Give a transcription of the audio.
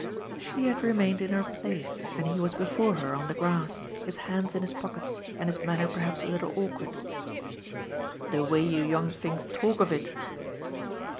She had remained in her place and he was before her on the grass, his hands in his pockets and his manner perhaps a little awkward. "The way you young things talk of it!"